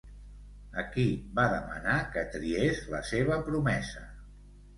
A qui va demanar que triés la seva promesa?